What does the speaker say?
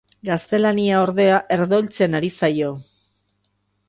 Gaztelania ordea herdoiltzen ari zaio.